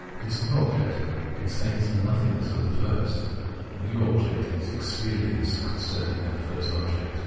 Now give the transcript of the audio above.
This new object contains the nothingness of the first ; the new object is the experience concerning that first object.